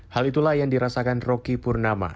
hal itulah yang dirasakan roky purnama